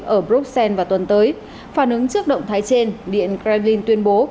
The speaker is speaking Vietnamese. ở bruxelles vào tuần tới phản ứng trước động thái trên điện krevin tuyên bố